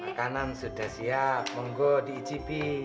makanan sudah siap bongo diicipi